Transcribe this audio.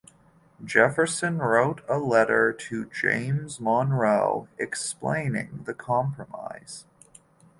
Jefferson wrote a letter to James Monroe explaining the compromise.